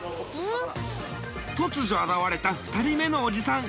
突如現れた２人目のおじさん